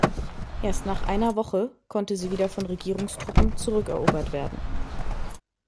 Erst nach einer Woche konnte sie wieder von Regierungstruppen zurückerobert werden.